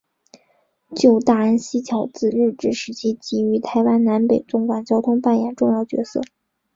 旧大安溪桥自日治时期即于台湾南北纵贯交通扮演重要角色。